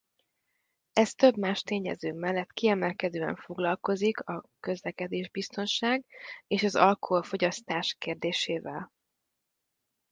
Ez több más tényező mellett kiemelkedően foglalkozik a közlekedésbiztonság és az alkoholfogyasztás kérdésével.